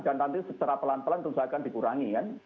dan nanti secara pelan pelan terus akan dikurangi kan